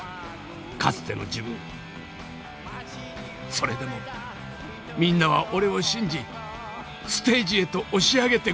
それでもみんなは俺を信じステージへと押し上げてくれた。